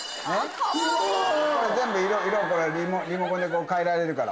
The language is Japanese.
これ全部色リモコンで変えられるから。